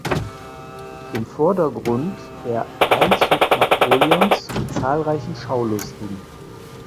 Im Vordergrund der Einzug Napoleons mit zahlreichen Schaulustigen.